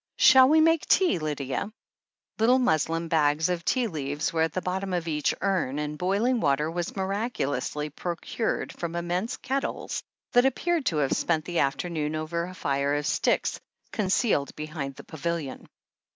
"Shall we make the tea, Lydia ?" Little muslin bags of tea leaves were at the bottom of each urn, and boiling water was miraculously pro cured from immense kettles that appeared to have spent the afternoon over a fire of sticks concealed behind the pavilion.